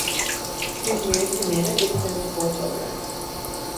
She is married to Nana Dickson with four children.